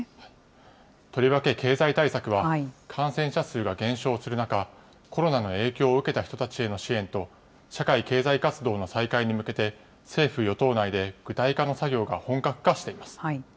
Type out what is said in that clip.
とりわけ経済対策は、感染者数が減少する中、コロナの影響を受けた人たちへの支援と、社会経済活動の再開に向けて、政府・与党内で具体化の作業が本格化しています。